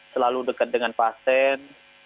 selalu dekat dengan pasien